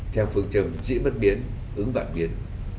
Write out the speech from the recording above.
theo phương trình diễn bất biến ứng vạn biến